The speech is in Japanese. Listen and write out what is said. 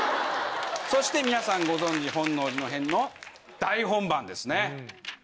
そして皆さんご存じ本能寺の変の大本番ですね。